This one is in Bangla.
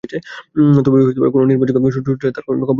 তবে কোন নির্ভরযোগ্য সূত্রে তাঁর কবর কোনটি তা নির্ণিত হয়নি।